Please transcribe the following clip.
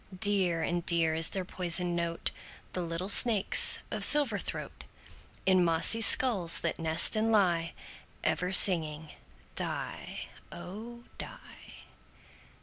Dear and dear is their poisoned note, The little snakes' of silver throat, In mossy skulls that nest and lie, Ever singing "die, oh! die."